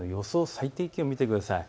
最低気温を見てください。